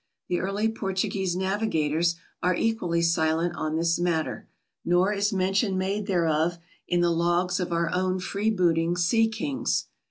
The early Portuguese navigators are equally silent on this matter, nor is mention made thereof in the logs of our own freebooting Sea Kings.